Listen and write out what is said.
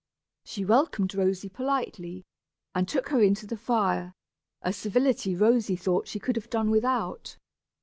She welcomed Rosy politely, and took her in to the fire, a civility Rosy thought she could have done without.